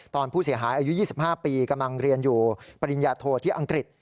ตอนผู้เสียหายอายุ๒๕ปีกำลังเรียนอยู่ปริญญาโทที่อังกฤษ